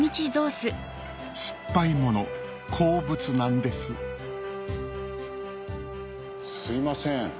酸っぱい物好物なんですすいません。